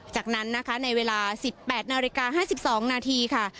จากนั้นนะคะในเวลา๑๘นาฬิกา๕๒นาทีค่ะ